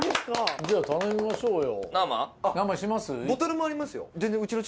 じゃあ頼みましょうよ。